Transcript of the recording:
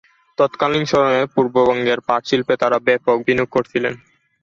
তৎকালীন সময়ে পূর্ববঙ্গের পাট শিল্পে তারা ব্যাপক বিনিয়োগ করেছিল।